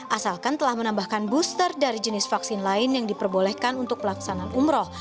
asalkan telah menambahkan booster dari jenis vaksin lain yang diperbolehkan untuk pelaksanaan umroh